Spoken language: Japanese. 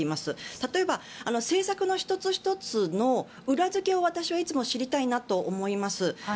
例えば政策の１つ１つの裏付けを私はいつも知りたいなと思います。